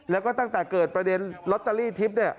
แล้วก็ตั้งแต่เกิดประเด็นลอตเตอรี่ทิพย์เนี่ย